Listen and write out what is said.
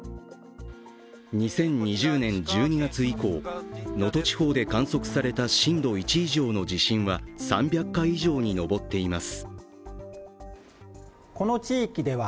２０２０年１２月以降、能登地方で観測された震度１以上の地震は３００回以上に上っています。